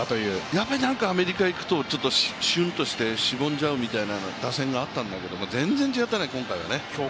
やっぱりなんかアメリカ行くとシュッとしてしぼんでしまうという打線があったんだけど全然違ったね、今回は。